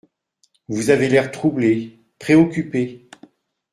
Vous avez l’air troublé, préoccupé.